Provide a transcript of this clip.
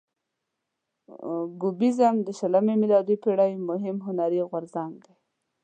کوبیزم د شلمې میلادي پیړۍ مهم هنري غورځنګ دی.